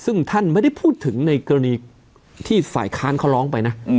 ซึ่งท่านไม่ได้พูดถึงในกรณีที่ฝ่ายค้านเขาร้องไปนะ